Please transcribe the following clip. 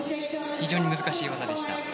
非常に難しい技でした。